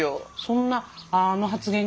そんなあの発言が。